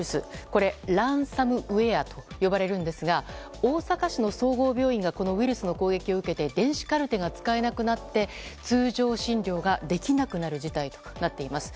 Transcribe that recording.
これはランサムウェアと呼ばれるんですが大阪市の総合病院がこのウイルスの攻撃を受けて電子カルテが使えなくなって通常診療ができなくなる事態となっています。